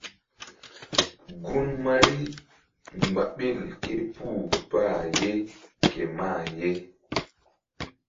Gun Mari mgba ɓil ké puh bqh ye ke mah ye.